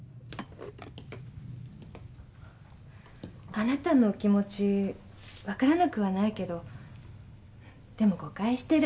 あなたの気持ち分からなくはないけどでも誤解してる。